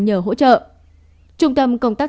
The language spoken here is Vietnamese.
nhờ hỗ trợ trung tâm công tác